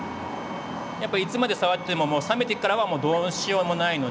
やっぱいつまで触っててももう冷めてからはもうどうしようもないので。